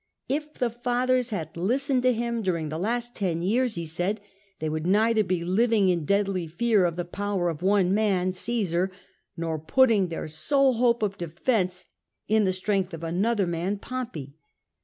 If the Fathers had listened to him during the last ten years, he said, they would neither be living in deadly fear of the power of one man — Csesar — nor putting their sole hope of defence in the strength of another man — Pompey.